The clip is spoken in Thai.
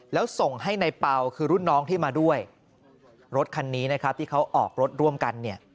แล้วส่งให้ในเปล่าคือรุ่นน้องที่มาด้วยรถคันนี้นะครับที่เขาออกรถร่วมกันเนี่ย